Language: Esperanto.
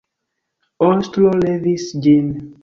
Ojstro levis ĝin.